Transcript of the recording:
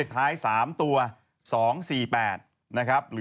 โอ้โหโอ้โหโอ้โหโอ้โห